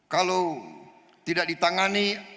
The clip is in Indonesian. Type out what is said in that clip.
kalau tidak ditangani